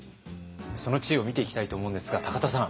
その知恵を見ていきたいと思うんですが田さん。